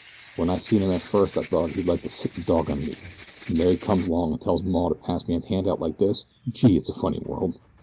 Wen I seen him first I thought he'd like to sic the dog on me, an' there he comes along an' tells 'Maw' to pass me a hand out like this! Gee! it's a funny world.